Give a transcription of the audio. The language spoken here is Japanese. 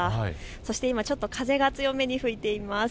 そして、ちょっと風が強めに吹いています。